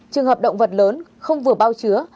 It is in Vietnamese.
trường hợp động vật lớn không vừa bao chứa